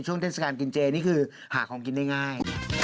เทศกาลกินเจนี่คือหาของกินได้ง่าย